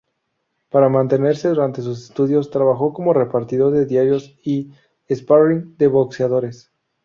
Para mantenerse durante sus estudios trabajó como repartidor de diarios y "sparring" de boxeadores.